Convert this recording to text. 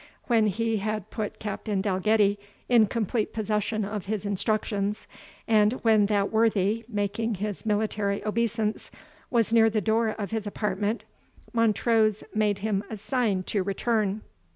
When he had put Captain Dalgetty in complete possession of his instructions, and when that worthy, making his military obeisance, was near the door of his apartment, Montrose made him a sign to return.